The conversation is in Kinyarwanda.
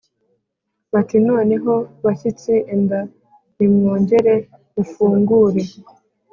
bati: ‘noneho bashyitsi, enda nimwongere mufungure,